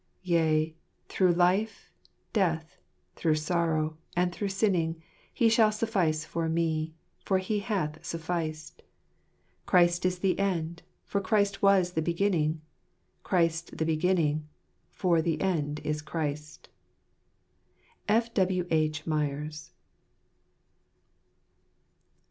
"Yea, thro' life, death, thro' sorrow, and thro' sinning. He shall suffice me, for He hath sufficed : Christ is the end— for Christ was the beginning ; Christ the beginning— for the end is Christ." F. W. H. Myers.